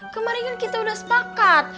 kemarin kan kita udah sepakat